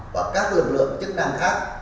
và các luật lượng chức năng khác